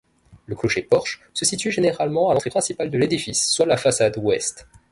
Le clocher-porche se situe généralement à l'entrée principale de l'édifice, soit la façade ouest.